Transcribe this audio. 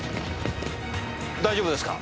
大丈夫ですか？